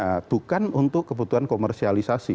nah bukan untuk kebutuhan komersialisasi